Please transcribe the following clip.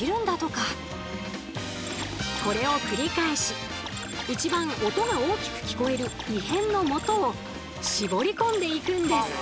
これを繰り返し一番音が大きく聞こえる異変のもとを絞り込んでいくんです。